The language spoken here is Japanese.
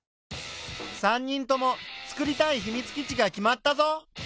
３人ともつくりたいひみつ基地が決まったぞ。